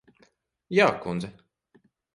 Jā, kundze.